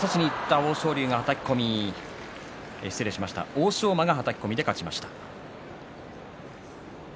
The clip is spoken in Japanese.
欧勝馬がはたき込みで勝ちました。